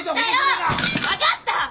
分かったよ！